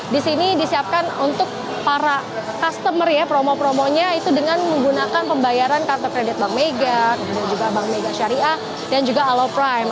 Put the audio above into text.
di sini disiapkan untuk para customer ya promo promonya itu dengan menggunakan pembayaran kartu kredit bank mega kemudian juga bank mega syariah dan juga aloprime